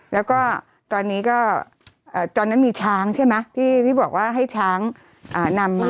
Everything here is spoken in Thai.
แล้วก็ตอนนี้ก็ตอนนั้นมีช้างใช่ไหมที่บอกว่าให้ช้างนำมา